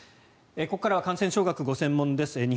ここからは感染症学がご専門です